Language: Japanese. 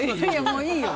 もういいよ。